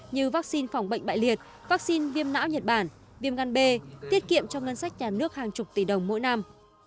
như vaccine phòng bệnh bại liệt vaccine viêm não nhật bản viêm gan b tiết kiệm cho ngân sách nhà nước hàng chục tỷ đồng mỗi năm